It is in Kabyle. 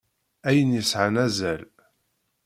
Ayen yesɛan azal.